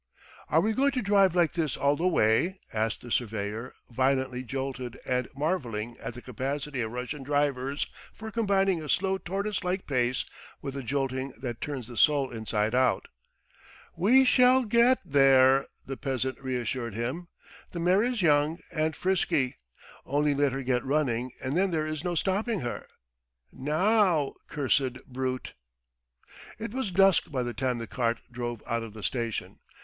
"Are we going to drive like this all the way?" asked the surveyor, violently jolted and marvelling at the capacity of Russian drivers for combining a slow tortoise like pace with a jolting that turns the soul inside out. "We shall ge et there!" the peasant reassured him. "The mare is young and frisky. ... Only let her get running and then there is no stopping her. ... No ow, cur sed brute!" It was dusk by the time the cart drove out of the station.